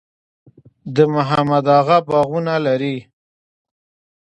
د محمد اغه باغونه لري